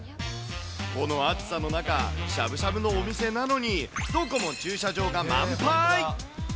この暑さの中、しゃぶしゃぶのお店なのに、どこも駐車場が満杯。